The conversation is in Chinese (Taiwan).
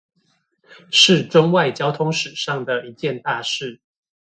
是中外交通史上的一件大事